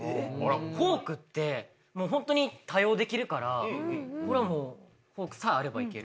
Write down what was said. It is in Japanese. フォークってもうホントに多用できるからこれはもうフォークさえあればいける。